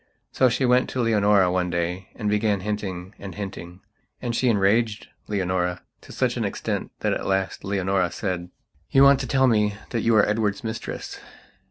So she went to Leonora one day and began hinting and hinting. And she enraged Leonora to such an extent that at last Leonora said: "You want to tell me that you are Edward's mistress.